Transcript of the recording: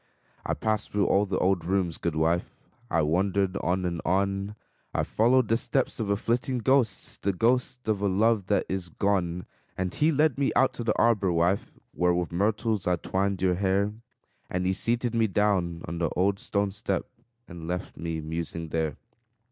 I passed through all the old rooms, good wife; I wandered on and on; I followed the steps of a flitting ghost, The ghost of a love that is gone. And he led me out to the arbor, wife, Where with myrtles I twined your hair; And he seated me down on the old stone step, And left me musing there.